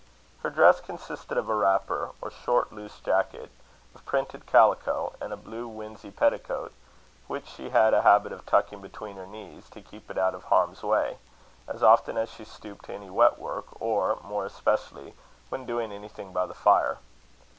Her dress consisted of a wrapper, or short loose jacket, of printed calico, and a blue winsey petticoat, which she had a habit of tucking between her knees, to keep it out of harm's way, as often as she stooped to any wet work, or, more especially, when doing anything by the fire.